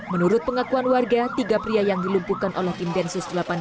menurut pengakuan warga tiga pria yang dilumpuhkan oleh tim densus delapan puluh delapan